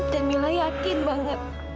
dan mila yakin banget